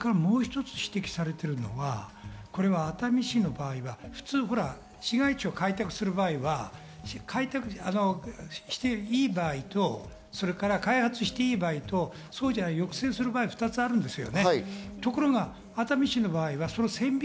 もう一つ指摘されているのは熱海市の場合は市街地を開拓する場合は、していい場合と開発していい場合と、そうじゃない抑制する場合の２つあるんですよ。